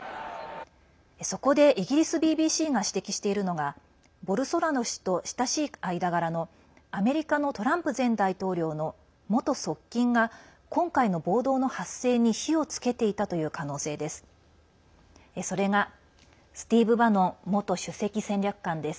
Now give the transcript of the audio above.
そこでイギリスＢＢＣが指摘しているのがボルソナロ氏と親しい間柄のアメリカのトランプ前大統領の元側近が今回の暴動の発生に火をつけていたという可能性です。